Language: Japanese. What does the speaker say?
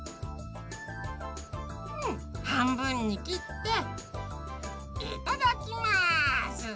うんはんぶんにきっていただきます！